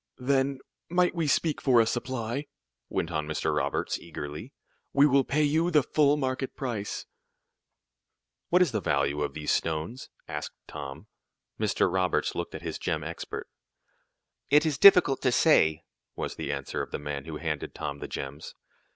"Then might we speak for a supply?" went on Mr. Roberts, eagerly. "We will pay you the full market price." "What is the value of these stones?" asked Tom. Mr. Roberts looked at his gem expert. "It is difficult to say," was the answer of the man who had handed Tom the gems.